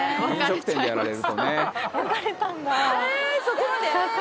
そこまで？